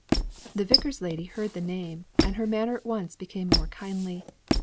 The Vicar's lady heard the name, and her manner at once became more kindly.